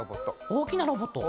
おおきなロボット？